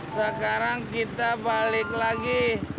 sekarang kita balik lagi